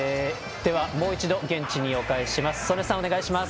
ではもう一度現地にお返しします。